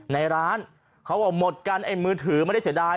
ในร้านเขาบอกหมดกันไอ้มือถือไม่ได้เสียดาย